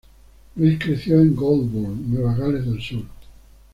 Louis creció en Goulburn, Nueva Gales del Sur.